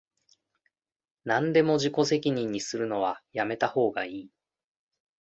なんでも自己責任にするのはやめたほうがいい